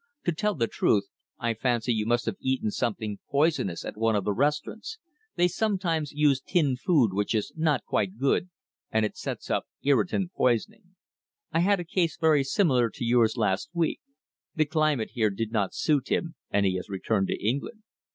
"To tell the truth, I fancy you must have eaten something poisonous at one of the restaurants. They sometimes use tinned food which is not quite good, and it sets up irritant poisoning. I had a case very similar to yours last week. The climate here did not suit him, and he has returned to England."